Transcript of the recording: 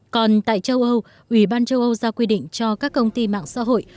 còn tại châu âu ủy ban châu âu ra quy định cho các công ty mạng xã hội